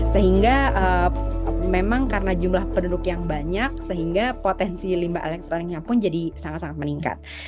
sehingga memang karena jumlah penduduk yang banyak sehingga potensi limbah elektroniknya pun jadi sangat sangat meningkat